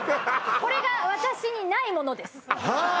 これが私にないものですはあ